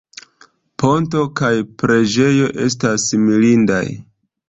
Ponto kaj preĝejo esta mirindaj.